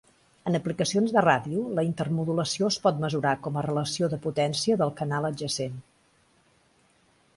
En aplicacions de ràdio, la intermodulació es pot mesurar com a relació de potència del canal adjacent.